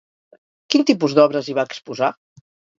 Quin tipus d'obres hi va exposar?